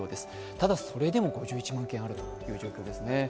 ただ、それでも５１万件あるという状況ですね。